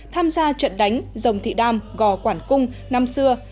tham gia trận đánh dòng thị đam gò quản cung năm xưa